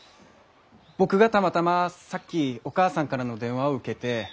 僕がたまたまさっきお母さんからの電話を受けて。